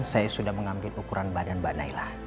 saya sudah mengambil ukuran badan mbak naila